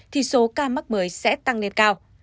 thì số ca mắc mới sẽ tăng lên cao